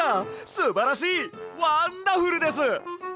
すばらしいワンダフルです！